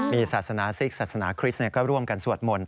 มีศาสนาซิกศาสนาคริสต์ก็ร่วมกันสวดมนต